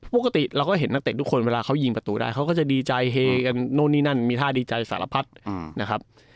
ปกติเราก็เห็นนักเตะทุกคนเวลาเขายิงประตูได้เขาก็จะดีใจเฮกันนู่นนี่นั่นมีท่าดีใจสารพัดนะครับ